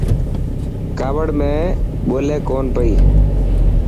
ڪاوڙ ۾ ٻولي ڪونه پئي.